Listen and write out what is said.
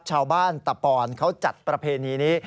ชาวบ้านตะปอนเขาจัดประเพณีนี้